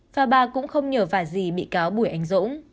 và bà cũng không nhờ vả gì bị cáo bùi anh dũng